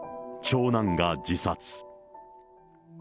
長男が自殺。